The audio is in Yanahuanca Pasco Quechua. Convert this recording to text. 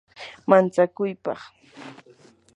manchakuypaq